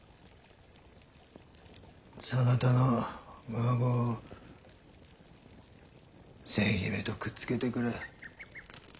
そなたの孫千姫とくっつけてくれ。